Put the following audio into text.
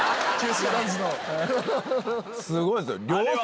すごいですよ。